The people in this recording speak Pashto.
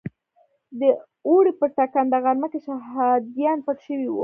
د اوړي په ټکنده غرمه کې شهادیان پټ شوي وو.